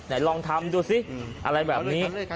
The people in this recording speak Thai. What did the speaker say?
ลองทำดูสิอะไรแบบนี้